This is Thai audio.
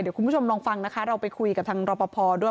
เดี๋ยวคุณผู้ชมลองฟังนะคะเราไปคุยกับทางรอปภด้วย